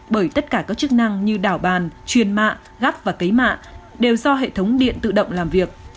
bởi tất cả các chức năng như đảo bàn truyền mạ gắp và cấy mạ đều do hệ thống điện tự động làm việc